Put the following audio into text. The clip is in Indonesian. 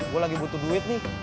gue lagi butuh duit nih